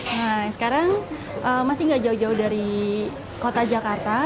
nah sekarang masih tidak jauh jauh dari kota jakarta